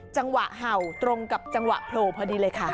จังหวะเห่าตรงกับจังหวะโพลพอดีเลยค่ะ